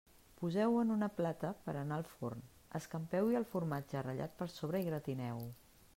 Poseu-ho en una plata per a anar al forn, escampeu-hi el formatge ratllat per sobre i gratineu-ho.